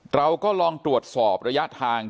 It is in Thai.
เราก็ลองตรวจสอบระยะทาง